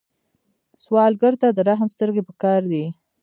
سوالګر ته د رحم سترګې پکار دي